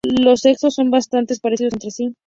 Los sexos son bastante parecidos entre sí.